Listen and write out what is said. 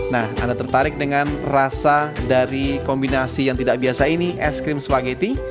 nah anda tertarik dengan rasa dari kombinasi yang tidak biasa ini es krim spaghetti